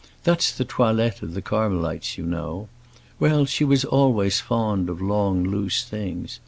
That's the toilette of the Carmelites, you know. Well, she was always fond of long, loose things.